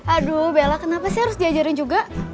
aduh bella kenapa sih harus diajarin juga